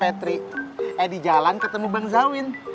eh di jalan ketemu bang zawin